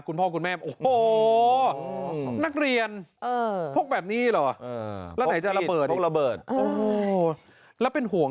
คุณพ่อคุณแม่โอ้โหนักเรียนพกแบบนี้เหรอแล้วไหนจะระเบิดพวกระเบิดโอ้โหแล้วเป็นห่วง